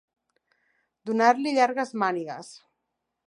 Donar-li llargues mànigues.